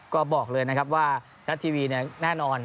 ก็บอกเลยนะครับว่าไทยรัชทีวีเนี่ยแน่นอน